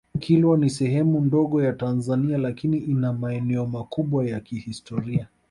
Kilwa ni sehemu ndogo ya Tanzania lakini ina maeneo makubwa ya kihistoria